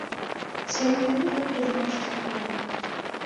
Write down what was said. Сваю віну ён прызнаў часткова.